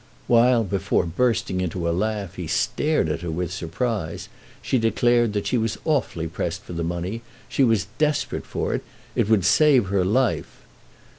While, before bursting into a laugh, he stared at her with surprise, she declared that she was awfully pressed for the money; she was desperate for it—it would save her life.